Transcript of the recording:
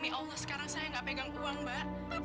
ini kamu simpan pak